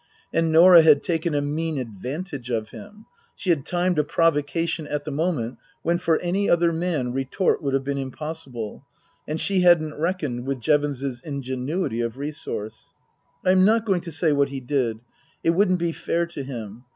And Norah had taken a mean advantage of him. She had timed a provocation at the moment when for any other man retort would have been impossible ; and she hadn't reckoned with Jevons's ingenuity of resource. I am not going to say what he did. It wouldn't be fair to him.